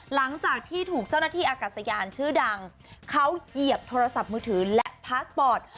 หลังจากที่ถูกเจ้าหน้าที่อากาศยานชื่อดังเขาเหยียบโทรศัพท์มือถือและพาสปอร์ต